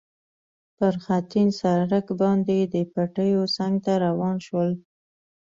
پر خټین سړک باندې د پټیو څنګ ته روان شول.